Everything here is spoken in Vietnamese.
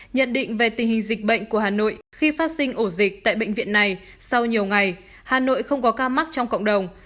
nhận định về tình hình dịch bệnh của hà nội khi phát sinh ổ dịch tại bệnh viện này sau nhiều ngày hà nội không có ca mắc trong cộng đồng